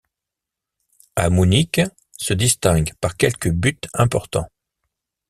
Amunike se distingue par quelques buts importants.